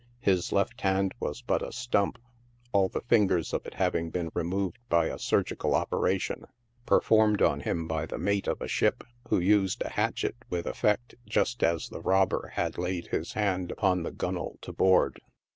His left hand was but a stump, all the fingers of it having been removed by a surgical operation, performed on him by the mate of a ship, who used a hatchet with effect just as the robber had laid his hand upon the gunwale to board.